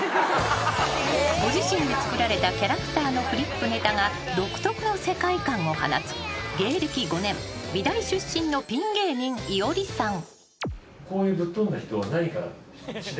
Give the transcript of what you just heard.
［ご自身で作られたキャラクターのフリップネタが独特の世界観を放つ芸歴５年美大出身のピン芸人いおりさん］